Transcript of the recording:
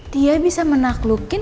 dia bisa menaklukin